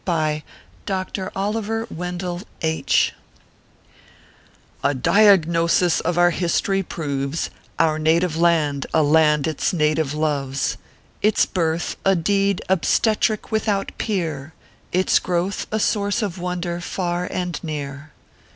BY DR. OLIVER WENDELL H . A diagnosis of our hist ry proves Our native land a land its native loves; Its birth a deed obstetric without peer, Its growth a source of wonder far and near.